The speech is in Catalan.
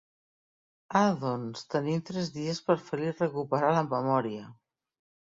Ah, doncs tenim tres dies per fer-li recuperar la memòria.